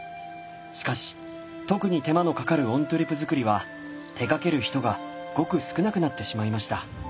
しかし特に手間のかかるオントゥレ作りは手がける人がごく少なくなってしまいました。